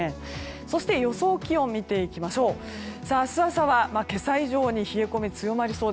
そして予想気温、見ていきましょう。